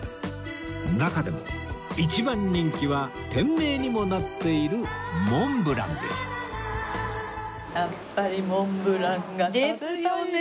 中でも一番人気は店名にもなっているモンブランですですよね。